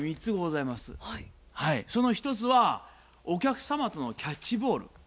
その１つはお客様とのキャッチボール。